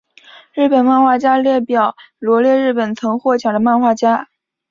日本漫画家列表罗列日本曾获奖的漫画家。